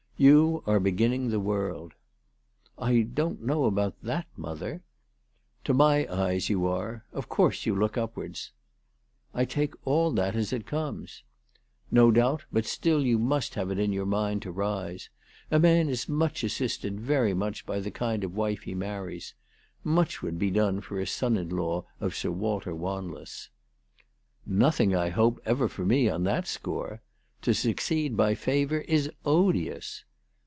You are beginning the world." " I don't know about that, mother." " To my eyes you are. Of course, you look up wards." " I take all that as it comes." " No doubt ; but still you must have it in your mind to rise. A man is assisted very much by the kind of wife he marries. Much would be done for a son in law of Sir Walter Wanless." " Nothing, I hope, ever for me on that score. To succeed by favour is odious."